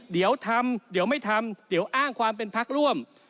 เดี๋ยวทำเดี๋ยวไม่ทำเดี๋ยวอ้างความเป็นพักร่วม